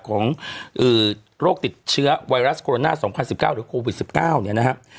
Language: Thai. ของโรคติดเชื้อไวรัสโคโรนาสองพันสิบเก้าหรือโควิดสิบเก้าเนี่ยนะครับ